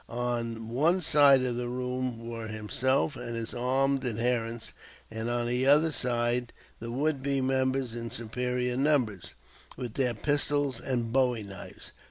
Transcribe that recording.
On one side of the room were himself and his armed adherents; on the other side the would be members in superior numbers, with their pistols and bowie knives.